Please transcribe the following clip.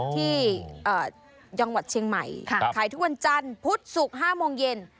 ที่จังหวัดเชียงใหม่ขายทุกวันจันทร์พุธศุกร์๕โมงเย็น